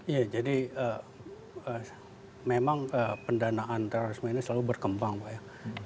ya jadi memang pendanaan terorisme ini selalu berkembang pak ya